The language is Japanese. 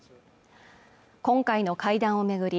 今回の会談を巡り